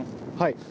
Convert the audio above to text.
はい。